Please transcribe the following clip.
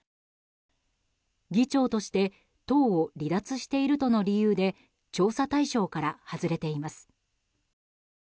議長として党を離脱しているとの理由で調査対象から外れています。